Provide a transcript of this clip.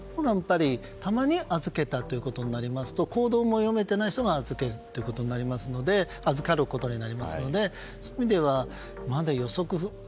たまに預けたということになりますと行動も読めていない人に預けること預かることになりますのでそういう意味ではまだ、予想しない